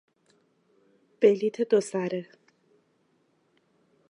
بلیت دو سره